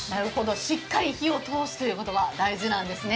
しっかり火を通すことが大事なんですね。